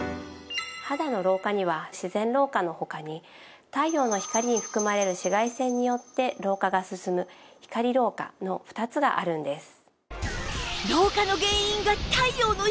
肌の老化には「自然老化」の他に太陽の光に含まれる紫外線によって老化が進む「光老化」の２つがあるんです。